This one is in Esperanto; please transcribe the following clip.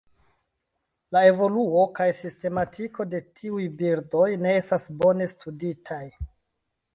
La evoluo kaj sistematiko de tiuj birdoj ne estas bone studitaj.